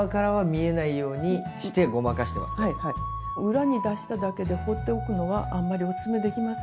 裏に出しただけで放っておくのはあんまりおすすめできません。